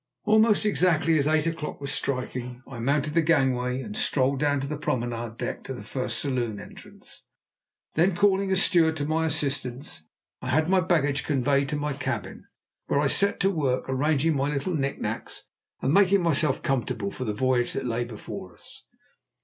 Almost exactly as eight o'clock was striking, I mounted the gangway, and strolled down the promenade deck to the first saloon entrance; then calling a steward to my assistance, I had my baggage conveyed to my cabin, where I set to work arranging my little knicknacks, and making myself comfortable for the voyage that lay before us.